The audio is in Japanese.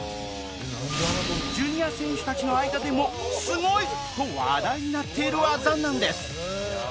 ジュニア選手たちの間でもすごい！と話題になっている技なんです